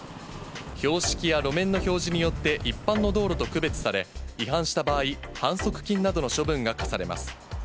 標識や路面の表示によって、一般の道路と区別され、違反した場合、反則金などの処分が科されます。